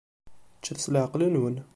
Ččet s leεqel-nwen.